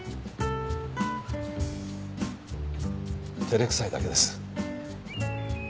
照れくさいだけです。